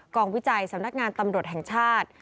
วิจัยสำนักงานตำรวจแห่งชาติ